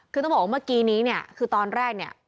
คือต้องบอกว่าเมื่อกี้นี้เนี่ยคือตอนแรกเนี่ย